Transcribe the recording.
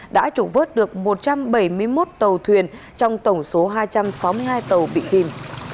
đã trục vớt được một trăm bảy mươi một tàu thuyền trong tổng số hai trăm sáu mươi hai tàu bị chìm